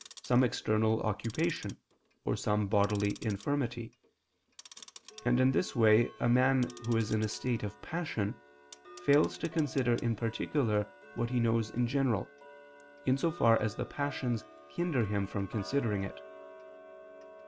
some external occupation, or some bodily infirmity; and, in this way, a man who is in a state of passion, fails to consider in particular what he knows in general, in so far as the passions hinder him from considering it.